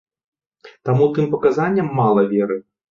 Таму тым паказанням мала веры.